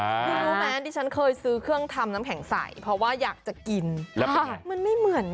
นี่รู้มะที่ฉันเคยซื้อเครื่องทำน้ำแข็งใสเพราะว่าอยากจะกิน